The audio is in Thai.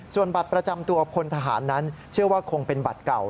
ส่วนบัตรประจำตัวพลทหารนั้นเชื่อว่าคงเป็นบัตรเก่า